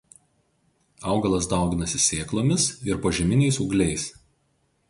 Augalas dauginasi sėklomis ir požeminiais ūgliais.